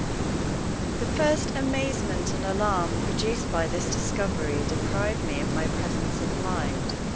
THE first amazement and alarm produced by this discovery deprived me of my presence of mind.